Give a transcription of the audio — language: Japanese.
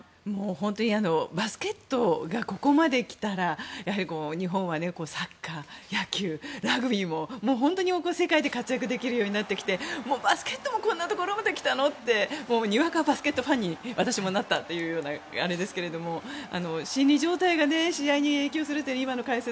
本当にバスケットがここまで来たら日本はサッカー、野球ラグビーも本当に世界で活躍できるようになってきてバスケットもこんなところまで来たのってにわかバスケットファンに私もなったというあれですが心理状態が試合に影響するという今の解説